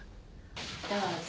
どうぞ。